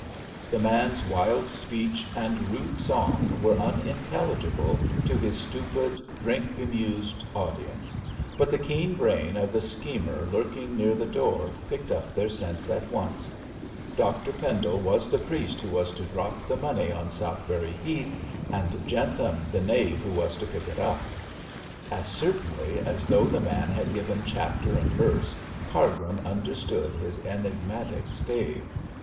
The man's wild speech and rude song were unintelligible to his stupid, drink bemused audience; but the keen brain of the schemer lurking near the door picked up their sense at once. Dr Pendle was the priest who was to drop the money on Southberry Heath, and Jentham the knave who was to pick it up. As certainly as though the man had given chapter and verse, Cargrim understood his enigmatic stave.